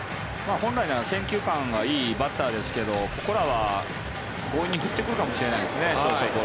本来なら選球眼がいいバッターですけどここらは強引に振ってくるかもしれないですね。